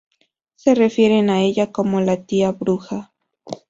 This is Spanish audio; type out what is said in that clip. Se refieren a ella como la "tía bruja".